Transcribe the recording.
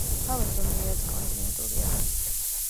ჰავა ზომიერად კონტინენტურია.